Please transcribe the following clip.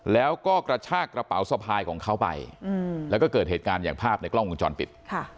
แล้วก็กระชากระเป๋าสะพายของเขาไปแล้วก็เกิดเหตุการณ์อย่างภาพในกล้องวงจรปิด